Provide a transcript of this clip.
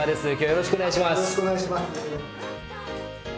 よろしくお願いします。